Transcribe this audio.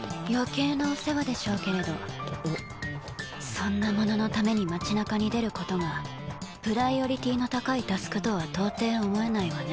そんなもののために街なかに出ることがプライオリティーの高いタスクとは到底思えないわね。